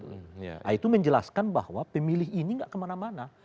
nah itu menjelaskan bahwa pemilih ini tidak kemana mana